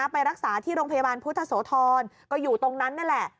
ไปรักษาที่โรงพยาบาลพุทธโสธรก็อยู่ตรงนั้นนี่แหละ